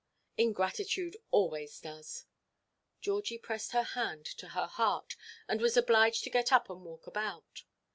Ingratitude always does." Georgie pressed her hand to her heart, and was obliged to get up and walk about.